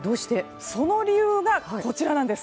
その理由が、こちらです。